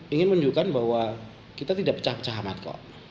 ingin menunjukkan bahwa kita tidak pecah pecah amat kok